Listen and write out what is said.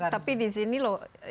tapi disini loh